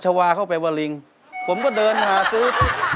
ชาวาเข้าไปว่าลิงผมก็เดินหาซื้อ